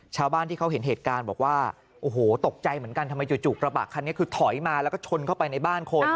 อยากจะลุ้นโชคดีบ้าง